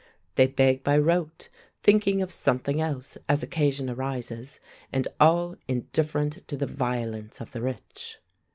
They beg by rote, thinking of something else, as occasion arises, and all indifferent to the violence of the rich.